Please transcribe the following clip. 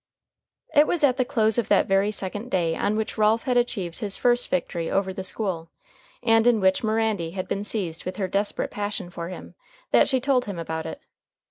It was at the close of that very second day on which Ralph had achieved his first victory over the school, and in which Mirandy had been seized with her desperate passion for him, that she told him about it.